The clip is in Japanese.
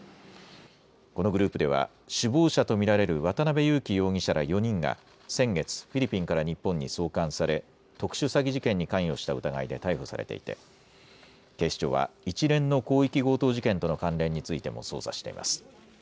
このグループでは、首謀者と見られる渡邉優樹容疑者ら４人が、先月、フィリピンから日本に送還され、特殊詐欺事件に関与した疑いで逮捕されていて、警視庁は一連の広域強盗事件との関連についても捜査しています。